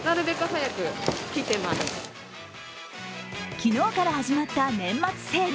昨日から始まった年末セール。